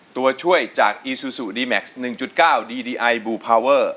ตัวช่วยจากอีซูซูดีแม็กซ์หนึ่งจุดเก้าดีดีไอบูพาวเวอร์